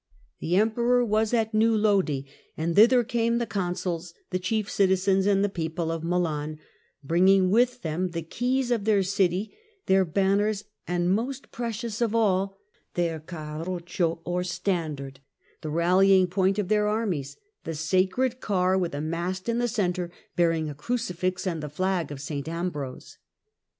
The Emperor was at New Lodi, and thither came the consuls, the chief citizens and the people of Milan, bringing with them the keys of their city, their banners, and, most precious of all, their carroccio or " standard," the rally ing point of their armies, the sacred car with a mast in the centre bear ing a crucifix and the flag of St Ambrose.